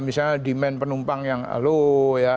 misalnya demand penumpang yang low ya